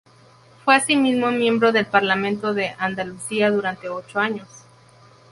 Fue asimismo miembro del Parlamento de Andalucía durante ocho años.